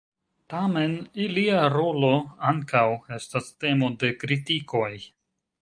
Tamen ilia rolo ankaŭ estas temo de kritikoj.